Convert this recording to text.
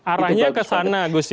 arahnya ke sana gus